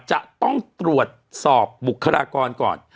จะต้องตรวจสอบบุคลากรก่อน